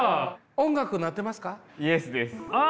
音楽鳴ってますか？